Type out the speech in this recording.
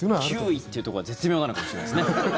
９位というところが絶妙なのかもしれないですね。